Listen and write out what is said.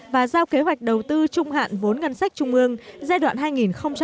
và giao kế hoạch đầu tư trung hạn vốn ngân sách trung ương giai đoạn hai nghìn một mươi sáu hai nghìn hai mươi